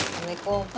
terima kasih ya